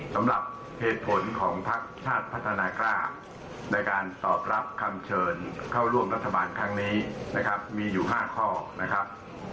สำหรับเหตุผลของพักชาติพัฒนากล้าในการตอบรับคำเชิญเข้าร่วมรัฐบาลครั้งนี้นะครับมีอยู่๕ข้อนะครับ